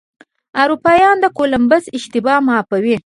اروپایان د کولمبس اشتباه معافوي.